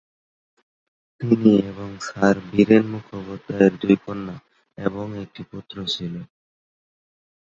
তিনি এবং স্যার বীরেন মুখোপাধ্যায়ের দুই কন্যা এবং একটি পুত্র ছিল।